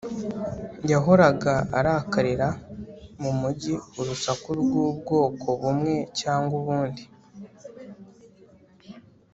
yahoraga arakarira mumujyi urusaku rwubwoko bumwe cyangwa ubundi